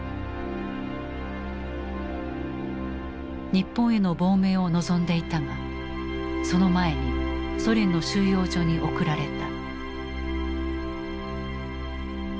日本への亡命を望んでいたがその前にソ連の収容所に送られた。